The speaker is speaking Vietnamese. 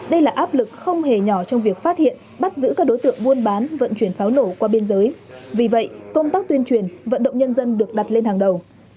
đây là áp lực không hề nhỏ trong việc phát hiện bắt giữ các đối tượng buôn bán vận chuyển pháo nổ qua biên giới vì vậy công tác tuyên truyền vận động nhân dân được đặt lên hàng đầu